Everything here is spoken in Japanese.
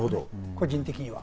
個人的には。